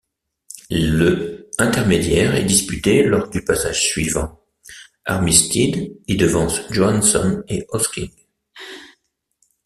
Le intermédiaire est disputé lors du passage suivant, Armitstead y devance Johansson et Hosking.